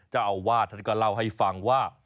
เจ้าอาวาสท่านก็เล่าให้ฟังว่า